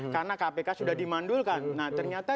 karena kpk sudah dimandulkan nah ternyata